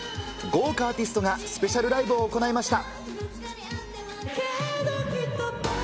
豪華アーティストがスペシャルライブを行いました。